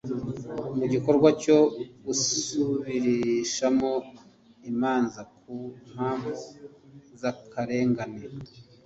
Mu gikorwa cyo gusubirishamo imanza ku mpamvu z akarengane